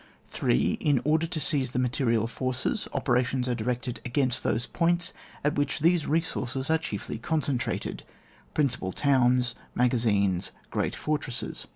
3. In order to seize the material forces, operations are directed against those points at which those resoiux; es are chiefly concentrated : principal towns, maga zines, great fortresses.